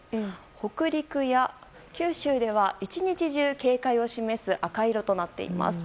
北陸や九州では１日中警戒を示す赤色となっています。